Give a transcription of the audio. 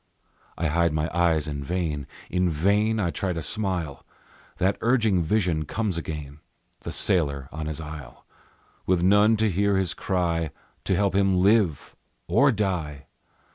I hide my eyes in vain, In vain I try to smile; That urging vision comes again, The sailor on his isle, With none to hear his cry, to help him live or die!